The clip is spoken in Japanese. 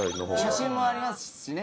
写真もありますしね。